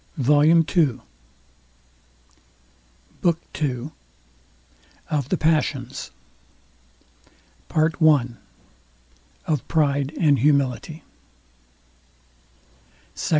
VOLUME II BOOK II OF THE PASSIONS PART I OF PRIDE AND HUMILITY SECT.